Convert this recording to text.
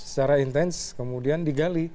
secara intens kemudian digali